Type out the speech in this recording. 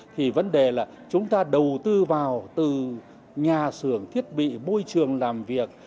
thì vấn đề là chúng ta đầu tư vào từ nhà xưởng thiết bị môi trường làm việc